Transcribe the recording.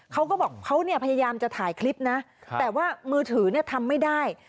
เขาก็บอกเขาเนี่ยพยายามจะถ่ายคลิปนะแต่ว่ามือถือเนี่ยทำไม่ได้